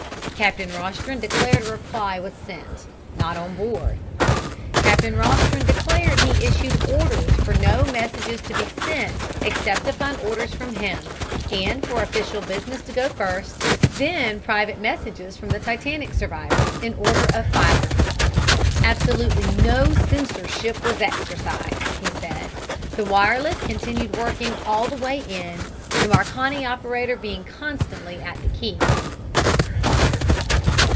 Captain Rostron declared a reply was sent, "Not on board." Captain Rostron declared he issued orders for no messages to be sent except upon orders from him, and for official business to go first, then private messages from the Titanic survivors in order of filing. Absolutely no censorship was exercised, he said. The wire less continued working all the way in, the Marconi operator being constantly at the key.